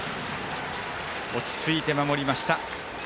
落ち着いて守りました。